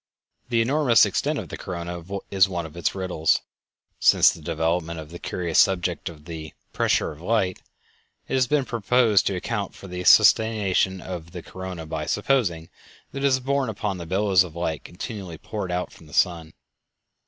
The enormous extent of the corona is one of its riddles. Since the development of the curious subject of the "pressure of light" it has been proposed to account for the sustentation of the corona by supposing that it is borne upon the billows of light continually poured out from the sun.